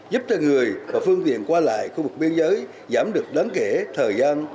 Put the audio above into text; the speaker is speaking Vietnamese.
giúp cho người và phương tiện qua lại khu vực biên giới giảm được đáng kể thời gian